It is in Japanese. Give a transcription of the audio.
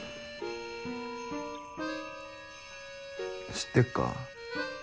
知ってっか？